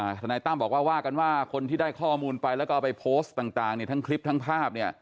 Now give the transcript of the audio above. สนัยตั้มบอกว่าว่ากันว่าคนที่ได้ข้อมูลไปแล้วก็ไปโพสต์ต่างทั้งคลิปทั้งภาพ